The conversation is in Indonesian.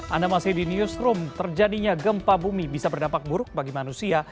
anda masih di newsroom terjadinya gempa bumi bisa berdampak buruk bagi manusia